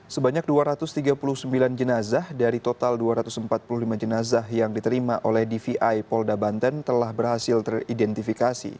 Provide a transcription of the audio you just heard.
sebanyak dua ratus tiga puluh sembilan jenazah dari total dua ratus empat puluh lima jenazah yang diterima oleh dvi polda banten telah berhasil teridentifikasi